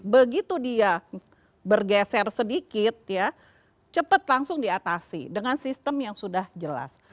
begitu dia bergeser sedikit ya cepat langsung diatasi dengan sistem yang sudah jelas